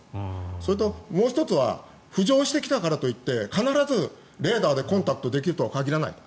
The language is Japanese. それと、もう１つは浮上してきたからといって必ずレーダーでコンタクトできるとは限らないと。